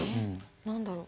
え何だろう？